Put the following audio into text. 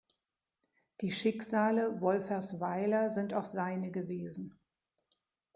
Die Schicksale Wolfersweiler sind auch seine gewesen.